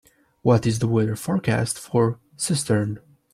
What is the weather forecast for Cistern